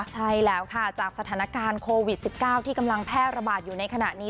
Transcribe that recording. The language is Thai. ใช่แล้วค่ะจากสถานการณ์โควิด๑๙ที่กำลังแพร่ระบาดอยู่ในขณะนี้